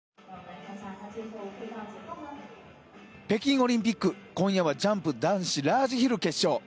北京オリンピック今夜はジャンプ男子ラージヒル決勝。